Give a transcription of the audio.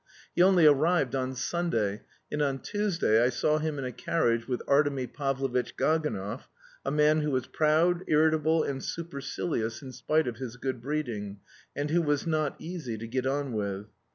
He only arrived on Sunday; and on Tuesday I saw him in a carriage with Artemy Pavlovitch Gaganov, a man who was proud, irritable, and supercilious, in spite of his good breeding, and who was not easy to get on with.